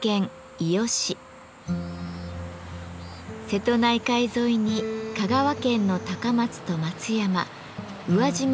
瀬戸内海沿いに香川県の高松と松山宇和島を結ぶ予讃線です。